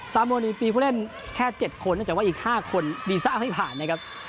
ซาบัวเป็นปีเพื่อเล่นแค่เจ็ดคนแต่ว่าอีกห้าคนบีซ่าไม่ผ่านนะครับ